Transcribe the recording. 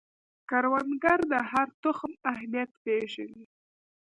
کروندګر د هر تخم اهمیت پوهیږي